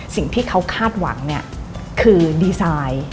สิ่งที่เขาคาดหวังเนี่ยคือดีไซน์